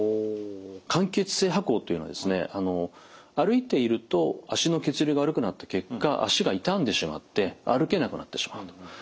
間欠性跛行というのはですね歩いていると足の血流が悪くなった結果足が痛んでしまって歩けなくなってしまうと。